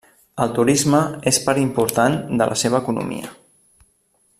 El Turisme és part important de la seva economia.